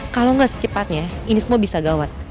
kalau nggak secepatnya ini semua bisa gawat